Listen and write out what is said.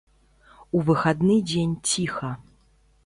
У выхадны дзень ціха.